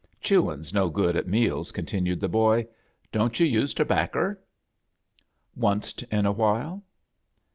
"Chewin's no good at meals," continued ttie boy. "Don't you use tobacker?" "Onced in a while."